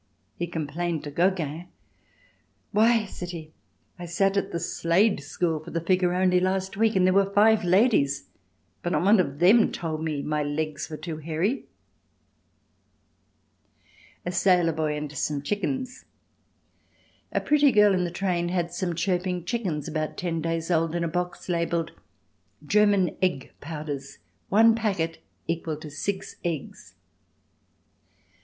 He complained to Gogin: "Why," said he, "I sat at the Slade School for the figure only last week, and there were five ladies, but not one of them told me my legs were too hairy." A Sailor Boy and Some Chickens A pretty girl in the train had some chirping chickens about ten days' old in a box labelled "German egg powders. One packet equal to six eggs."